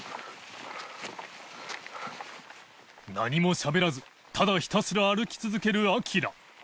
しゃべらずただひたすら歩き続けるアキラ森川）